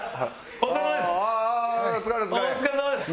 お疲れさまです！